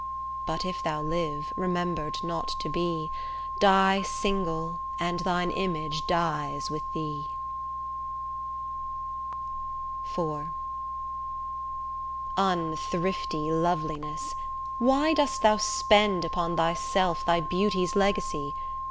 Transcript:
But if thou live, remember'd not to be, Die single and thine image dies with thee. IV Unthrifty loveliness, why dost thou spend Upon thyself thy beauty's legacy?